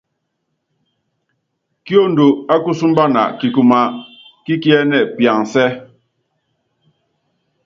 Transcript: Kiondo ákusúmbana kikuma kí kiɛ́nɛ piansɛ́.